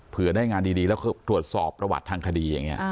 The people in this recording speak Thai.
ได้งานดีแล้วตรวจสอบประวัติทางคดีอย่างนี้